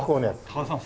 高田さん